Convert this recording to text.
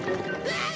ああ！